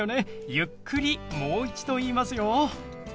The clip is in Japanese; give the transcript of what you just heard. ゆっくりもう一度言いますよ。